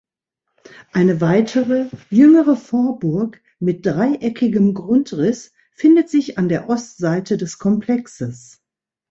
Eine weitere, jüngere Vorburg mit dreieckigem Grundriss findet sich an der Ostseite des Komplexes.